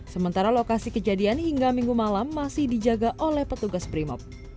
sementara lokasi kejadian hingga minggu malam masih dijaga oleh petugas brimob